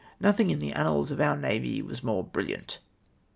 Nothing in the annals of our Usavy was more brilliant